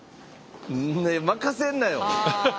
で任せんなよ。